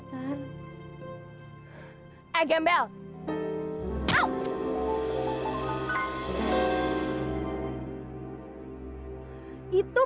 sebab kita jangan ngertihar